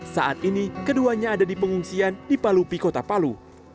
saat ini keduanya ada di pengungsian di palu piko tapalu